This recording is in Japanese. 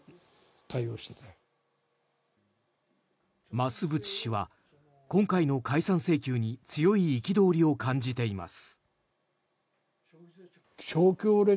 増渕氏は今回の解散命令に強い憤りを感じています。